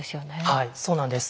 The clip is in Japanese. はいそうなんです。